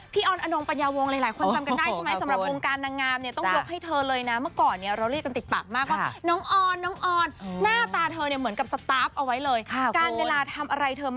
พี่อ่อนอโน้งปัญญาวงธ์หลายคนจำได้รู้ใช่ไหม